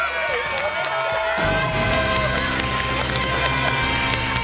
おめでとうございます！